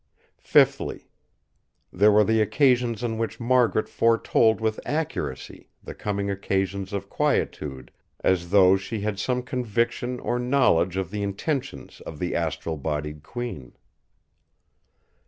Fifthly: there were the occasions on which Margaret foretold with accuracy the coming occasions of quietude, as though she had some conviction or knowledge of the intentions of the astral bodied Queen.